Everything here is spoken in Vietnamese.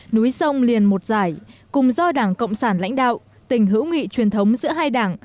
núi sông liền một giải cùng do đảng cộng sản lãnh đạo tình hữu nghị truyền thống giữa hai đảng